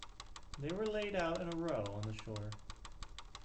They were laid out in a row on the shore.